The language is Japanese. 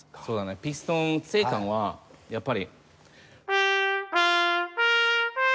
そうだねピストンＣ管はやっぱり。